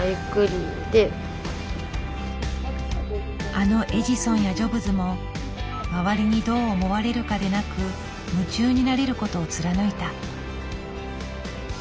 あのエジソンやジョブズも周りにどう思われるかでなく夢中になれることを貫いた。